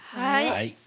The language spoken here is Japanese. はい！